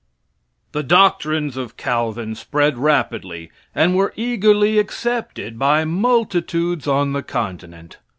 The doctrines of Calvin spread rapidly, and were eagerly accepted by multitudes on the continent.